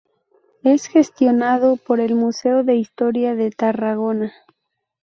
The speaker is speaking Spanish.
Es gestionado por el Museo de Historia de Tarragona.